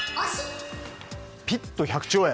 ピッと１００兆円。